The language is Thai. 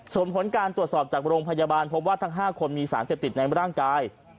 ส่วนผลการตรวจสอบจากโรงพยาบาลพบว่าทั้ง๕คนมีสารเสพติดในร่างกาย